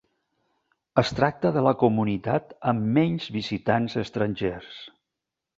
Es tracta de la comunitat amb menys visitants estrangers.